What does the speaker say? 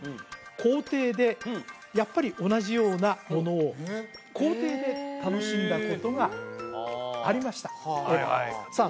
校庭でやっぱり同じようなものを校庭で楽しんだことがありましたさあ